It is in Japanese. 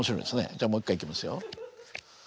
じゃあもう一回いきますよ。